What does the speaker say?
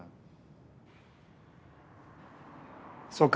そうか。